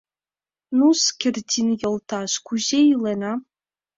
— Ну-с, Кердин йолташ, кузе илена?